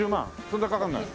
そんなかかんない？